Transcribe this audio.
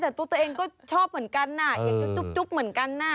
แต่ตุ๊กตัวเองก็ชอบเหมือนกันอยากจะจุ๊บเหมือนกันนะ